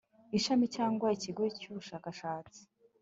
ishami cyangwa ikigo cy ubushakashatsi